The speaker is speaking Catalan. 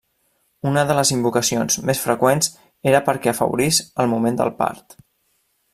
Una de les invocacions més freqüents era perquè afavorís el moment del part.